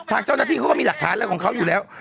ทางเจ้าหน้าที่เขาก็มีหลักฐานอะไรของเขาอยู่แล้ว